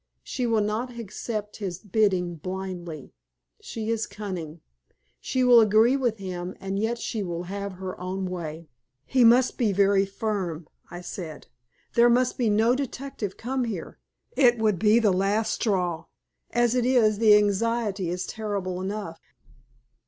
She will not accept his bidding blindly. She is cunning. She will agree with him, and yet she will have her own way." "He must be very firm," I said. "There must be no detective come here. It would be the last straw. As it is, the anxiety is terrible enough."